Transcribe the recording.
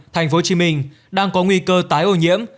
tp hcm đang có nguy cơ tái ô nhiễm